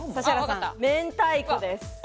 明太子です。